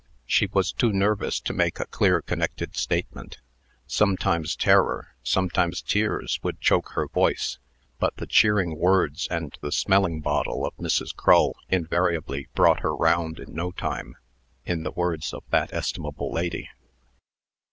She was too nervous to make a clear, connected statement. Sometimes terror, sometimes tears, would choke her voice; but the cheering words and the smelling bottle of Mrs. Crull invariably "brought her round in no time," in the words of that estimable lady.